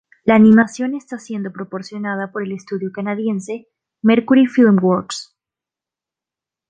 La animación está siendo proporcionada por el estudio canadiense Mercury Filmworks.